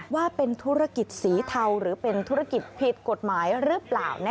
ว่าเป็นธุรกิจสีเทาหรือเป็นธุรกิจผิดกฎหมายหรือเปล่า